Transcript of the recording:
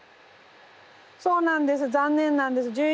そうなんです残念なんです。